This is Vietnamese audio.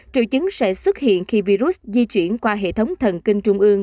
triệu chứng sẽ xuất hiện khi virus di chuyển qua hệ thống thần kinh trung ương